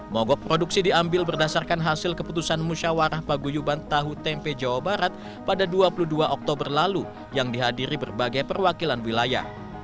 mogok produksi diambil berdasarkan hasil keputusan musyawarah paguyuban tahu tempe jawa barat pada dua puluh dua oktober lalu yang dihadiri berbagai perwakilan wilayah